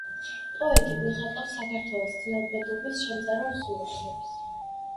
პოეტი გვიხატავს საქართველოს ძნელბედობის შემზარავ სურათებს.